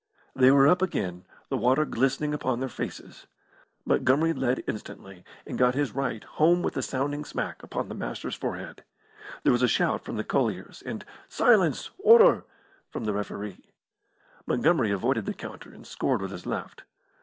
They were up again, the water glistening upon their faces. Montgomery led instantly, and got his right home with a sounding smack upon the master's forehead. There was a shout from the colliers, and "Silence! Order!" from the referee. Montgomery avoided the counter, and scored with his left.